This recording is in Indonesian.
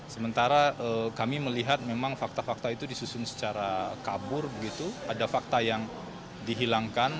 sementara kami melihat memang fakta fakta itu disusun secara kabur begitu ada fakta yang dihilangkan